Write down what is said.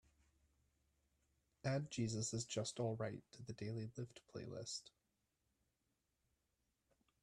Add jesus is just alright to the Daily Lift playlist.